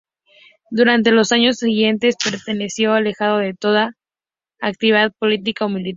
Durante los años siguientes, permaneció alejado de toda actividad política o militar.